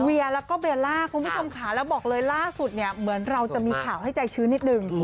เวียแล้วก็เบลล่าคุณผู้ชมค่ะแล้วบอกเลยล่าสุดเนี่ยเหมือนเราจะมีข่าวให้ใจชื้นนิดนึง